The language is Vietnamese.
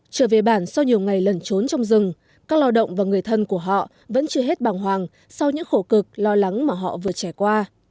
trở về bản sau nhiều ngày lẩn trốn trong rừng các lao động và người thân của họ vẫn chưa hết bằng hoàng sau những khổ cực lo lắng mà họ vừa trải qua